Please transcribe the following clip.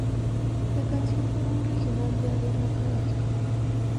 La canción fue un regional de adorno gráfico.